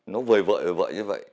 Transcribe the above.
nó vời vợi vợi như vậy